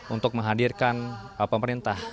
untuk menghadirkan pemerintah